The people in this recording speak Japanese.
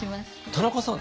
田中さん